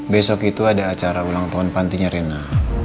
besok itu ada acara ulang tahun pantinya rena